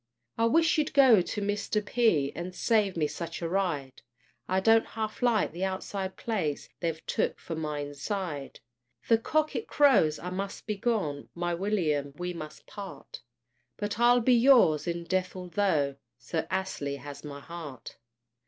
I wish you'd go to Mr. P. And save me such a ride; I don't half like the outside place, They've took for my inside. The cock it crows I must be gone! My William, we must part! But I'll be yours in death, altho' Sir Astley has my heart.